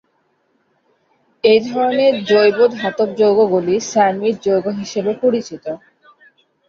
এই ধরনের জৈব ধাতব যৌগ গুলি স্যান্ডউইচ যৌগ হিসাবে পরিচিত।